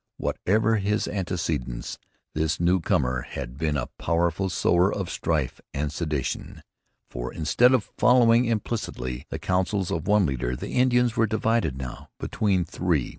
Whatever his antecedents this new comer had been a powerful sower of strife and sedition, for, instead of following implicitly the counsels of one leader, the Indians were divided now between three.